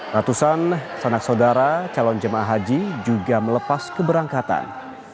ratusan sanak saudara calon jemaah haji juga melepas keberangkatan